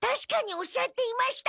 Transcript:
おっしゃっていました！